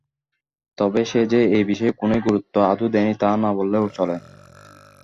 তবে সে যে এ বিষয়ে কোনোই গুরুত্ব আদৌ দেয়নি তা না বললেও চলে।